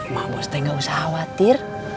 mbak bos teh nggak usah khawatir